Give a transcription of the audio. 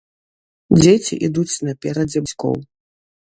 Дзеці ідуць наперадзе бацькоў.